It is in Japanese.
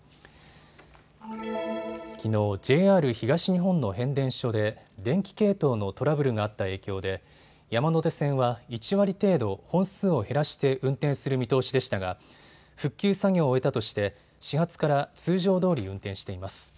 きのう、ＪＲ東日本の変電所で電気系統のトラブルがあった影響で山手線は１割程度、本数を減らして運転する見通しでしたが復旧作業を終えたとして始発から通常どおり運転しています。